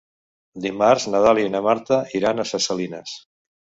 Dimarts na Dàlia i na Marta iran a Ses Salines.